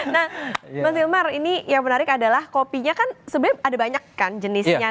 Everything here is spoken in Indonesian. nah mas hilmar ini yang menarik adalah kopinya kan sebenarnya ada banyak kan jenisnya